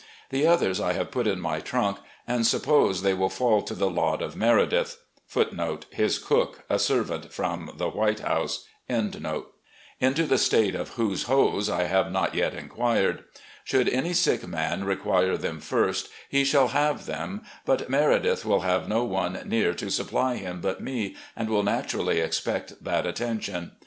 The others I have put in my trunk and suppose they will fall to the lot of Meredith,* into the state of whose hose I have not yet inquired. Should any sick man require them first, he shall have them, but Meredith will have no one near to supply him but me, and will naturally expect that attention.